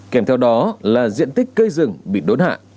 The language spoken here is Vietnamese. kèm theo đó là diện tích cây rừng bị đốn hạ